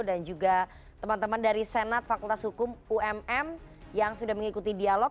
dan juga teman teman dari senat fakultas hukum umm yang sudah mengikuti dialog